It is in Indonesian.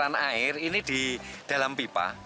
nah penyaluran air ini di dalam pipa